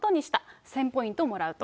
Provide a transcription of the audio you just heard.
１０００ポイントもらうと。